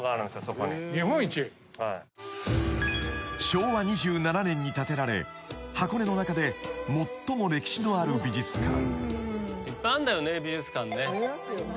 ［昭和２７年に建てられ箱根の中で最も歴史のある美術館］